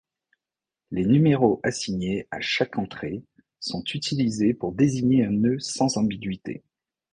Les numéros assignés à chaque entrée sont utilisés pour désigner un nœud sans ambiguïté.